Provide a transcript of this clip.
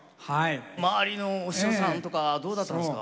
周りのお師匠さんとかどうだったんですか？